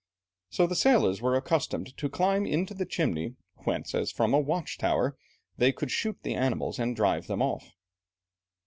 So the sailors were accustomed to climb into the chimney, whence, as from a watch tower they could shoot the animals and drive them off.